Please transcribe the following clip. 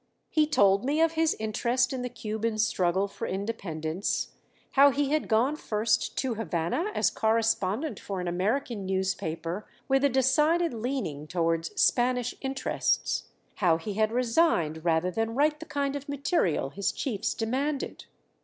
He told me of his interest in the Cuban struggle for independence; how he had gone first to Havana as correspondent for an American newspaper with a decided leaning toward Spanish interests; how he had resigned rather than write the kind of material his chiefs demanded.